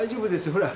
ほら。